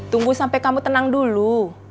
tunggu sampai kamu tenang dulu